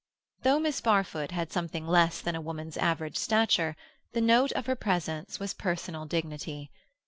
Though Miss Barfoot had something less than a woman's average stature, the note of her presence was personal dignity.